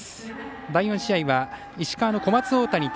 第４試合は石川の小松大谷対